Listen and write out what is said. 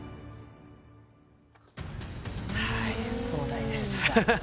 壮大です。